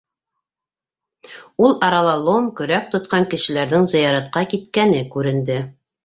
Ул арала лом, көрәк тотҡан кешеләрҙең зыяратҡа киткәне күренде.